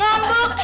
gak mau kemana